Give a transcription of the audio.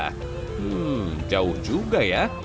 hmm jauh juga ya